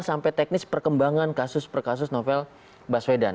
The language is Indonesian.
dari teknis perkembangan kasus perkasus novel baswedan